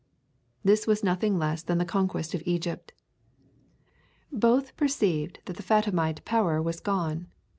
This was nothing less than the conquest of Egypt. Both perceived that the Fatimite power was gone.